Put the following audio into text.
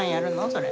それ。